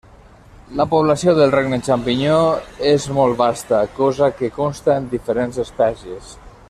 La població del Regne Xampinyó és molt vasta, cosa que consta de diferents espècies.